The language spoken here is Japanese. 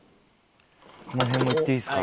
この辺もいっていいですか？